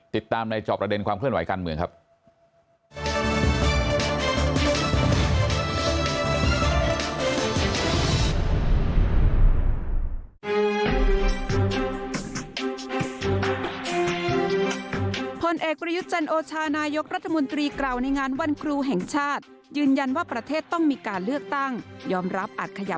ติดตามในจอบประเด็นความเคลื่อนไหวการเมืองครับ